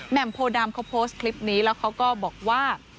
มโพดำเขาโพสต์คลิปนี้แล้วเขาก็บอกว่า